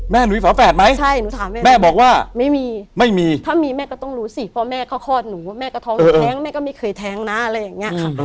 แม่หนูมีฝาแฝดไหมแม่บอกว่าไม่มีถ้ามีแม่ก็ต้องรู้สิเพราะแม่เค้าคลอดหนูแม่ก็ท้องหนูแท้งแม่ก็ไม่เคยแท้งนะอะไรอย่างเงี้ยค่ะ